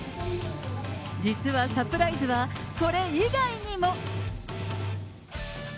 実はサプライズは、これ以外にも。